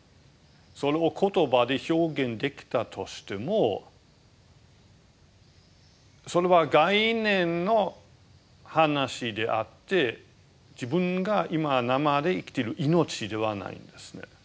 それを言葉で表現できたとしてもそれは概念の話であって自分が今生で生きている命ではないんですね。